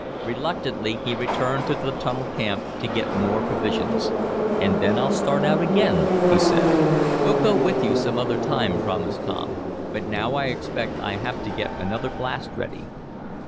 Reluctantly, he returned to the tunnel camp to get more provisions. "And then I'll start out again," he said. "We'll go with you some other time," promised Tom. "But now I expect I'll have to get another blast ready."